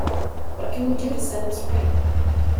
What can we do to set this right?